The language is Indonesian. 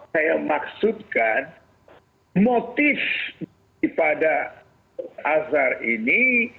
saya maksudkan motif daripada azhar ini